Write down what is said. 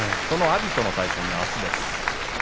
阿炎との対戦があすです。